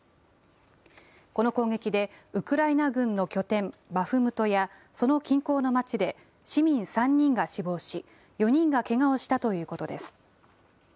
この攻撃で、ウクライナ軍の拠点、バフムトやその近郊の町で、市民３人が死亡し、４人がけがをしたということです。